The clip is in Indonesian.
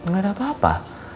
gak ada apa apa